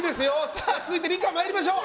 さあ続いて梨加まいりましょう。